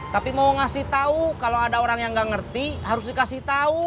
tapi mau ngasih tau kalau ada orang yang nggak ngerti harus dikasih tahu